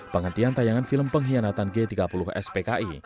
penghentian tayangan film pengkhianatan g tiga puluh spki